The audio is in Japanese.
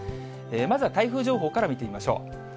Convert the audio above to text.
まずは台風情報から見てみましょう。